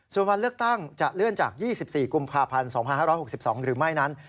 ส่วนวันเลือกตั้งจะเลื่อนจาก๒๔กุมภาพันธ์๒๕๖๒หรือไม่นั้น